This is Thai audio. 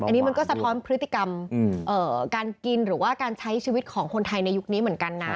อันนี้มันก็สะท้อนพฤติกรรมการกินหรือว่าการใช้ชีวิตของคนไทยในยุคนี้เหมือนกันนะ